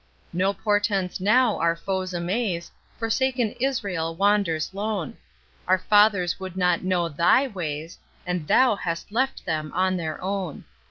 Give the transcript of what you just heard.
No portents now our foes amaze, Forsaken Israel wanders lone; Our fathers would not know THY ways, And THOU hast left them to their own.